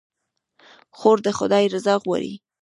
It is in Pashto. خور د خدای رضا غواړي.